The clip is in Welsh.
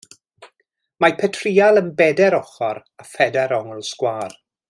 Mae petryal yn bedair ochr â phedair ongl sgwâr.